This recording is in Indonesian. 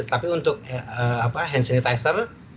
tapi untuk hand sanitizer